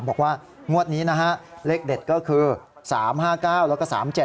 บอกว่างวดนี้นะฮะเลขเด็ดก็คือ๓๕๙แล้วก็๓๗